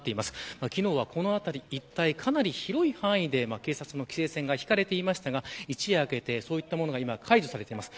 昨日は、この辺り一帯かなり広い範囲で警察の規制線が敷かれていましたが一夜明けてそういったものは解除されています。